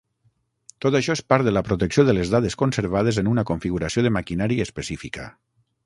Tot això és part de la protecció de les dades conservades en una configuració de maquinari específica.